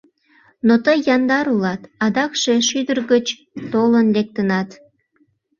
— Но тый яндар улат, адакше шӱдыр гыч толын лектынат…